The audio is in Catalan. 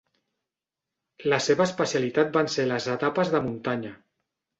La seva especialitat van ser les etapes de muntanya.